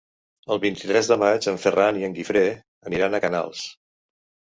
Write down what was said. El vint-i-tres de maig en Ferran i en Guifré aniran a Canals.